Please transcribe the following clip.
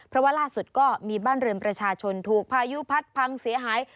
เพราะว่าล่าสุดก็มีบ้านเรือนประชาชนถูกพายุพัดพังเสียหาย